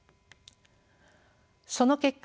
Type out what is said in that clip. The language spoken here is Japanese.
その結果